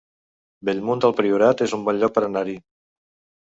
Bellmunt del Priorat es un bon lloc per anar-hi